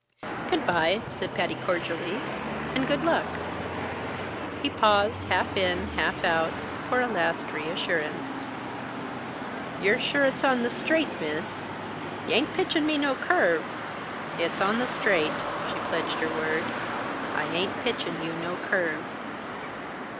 "Good by," said Patty cordially. "And good luck!" He paused, half in, half out, for a last reassurance. "Ye're sure it's on the straight, Miss? Y' ain't pitchin' me no curve?" "It's on the straight." She pledged her word. "I ain't pitchin' you no curve."